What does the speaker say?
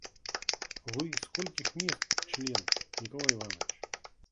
Вы скольких мест член, Николай Иваныч?